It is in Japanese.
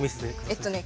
えっとね